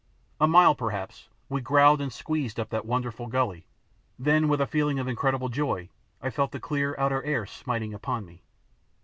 A mile, perhaps, we growled and squeezed up that wonderful gully; then with a feeling of incredible joy I felt the clear, outer air smiting upon me.